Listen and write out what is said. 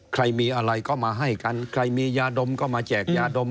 ใครมีอะไรก็มาให้กันใครมียาดมก็มาแจกยาดม